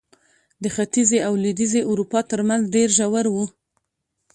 د ختیځې او لوېدیځې اروپا ترمنځ ډېر ژور و.